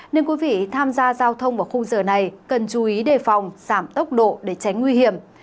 nên quý vị tham gia giao thông vào khung giờ này cần chú ý đề phòng giảm tốc độ để tránh nguy hiểm